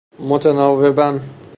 متناوباً